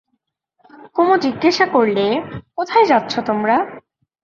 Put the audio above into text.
কুমু জিজ্ঞাসা করলে, কোথায় যাচ্ছ তোমরা?